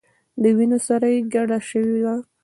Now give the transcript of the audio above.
د وینو سره یې ګډه شوې ده.